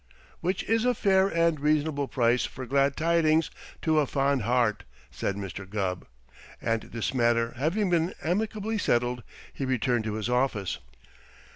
"Which is a fair and reasonable price for glad tidings to a fond heart," said Mr. Gubb, and this matter having been amicably settled, he returned to his office.